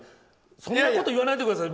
そんなこと言わないでください。